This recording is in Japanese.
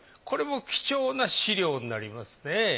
これも貴重な資料になりますね。